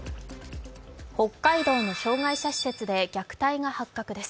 北海道の障害者施設で虐待が発覚です。